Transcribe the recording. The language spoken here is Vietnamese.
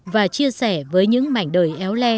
và chia sẻ với những mảnh đời éo le